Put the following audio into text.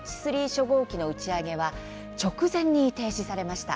初号機の打ち上げは直前に停止されました。